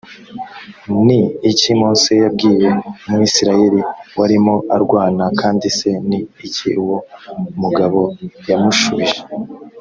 ni iki mose yabwiye umwisirayeli warimo arwana kandi se ni iki uwo mugabo yamushubije